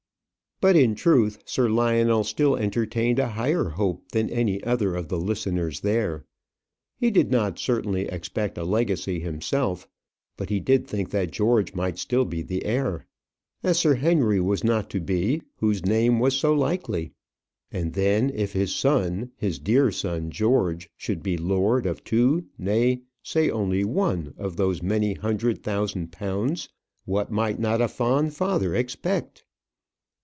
But, in truth, Sir Lionel still entertained a higher hope than any other of the listeners there. He did not certainly expect a legacy himself, but he did think that George might still be the heir. As Sir Henry was not to be, whose name was so likely? And, then, if his son, his dear son George, should be lord of two, nay, say only one, of those many hundred thousand pounds, what might not a fond father expect?